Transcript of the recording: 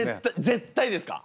絶対ですか？